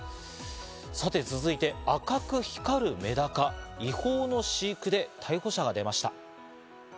さて続いて、赤く光るメダカ、違法の飼育で逮捕者が出ました。